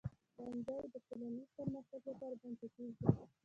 ښوونځی د ټولنیز پرمختګ لپاره بنسټیز دی.